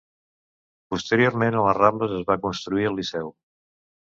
Posteriorment a Les Rambles es va construir el Liceu.